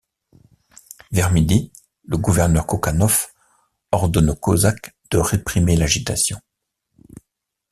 Vers midi, le gouverneur Kokhanov ordonne aux cosaques de réprimer l'agitation.